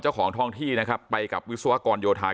ของท่องที่นะครับไปกับวิศวกรโยธา